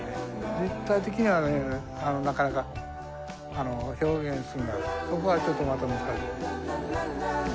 立体的にはねなかなか表現するのがそこがちょっとまた難しい。